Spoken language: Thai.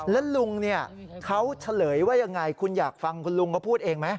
แล้วลุงเนี่ยเขาเฉลยว่ายังไงคุณอยากฟังคุณลุงเขาพูดเองไหม